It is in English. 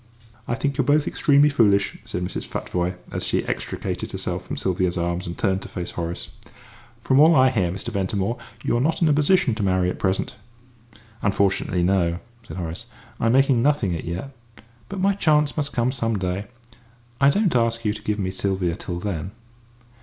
"I think you're both extremely foolish," said Mrs. Futvoye, as she extricated herself from Sylvia's arms and turned to face Horace. "From all I hear, Mr. Ventimore, you're not in a position to marry at present." "Unfortunately, no" said Horace; "I'm making nothing as yet. But my chance must come some day. I don't ask you to give me Sylvia till then."